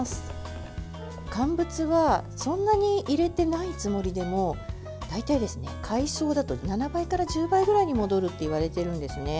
乾物はそんなに入れてないつもりでも大体、海藻だと７倍から１０倍くらいに戻るといわれているんですね。